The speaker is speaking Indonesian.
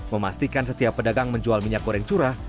memastikan setiap pedagang menjual minyak goreng curah